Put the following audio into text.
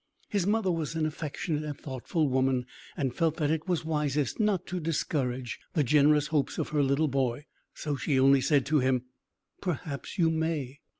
His mother was an affectionate and thoughtful woman, and felt that it was wisest not to discourage the generous hopes of her little boy. So she only said to him, "Perhaps you may."